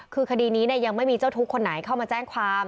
คือคดีนี้ยังไม่มีเจ้าทุกข์คนไหนเข้ามาแจ้งความ